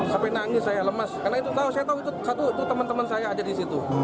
sampai nangis saya lemes karena itu tahu saya tahu itu satu itu teman teman saya aja di situ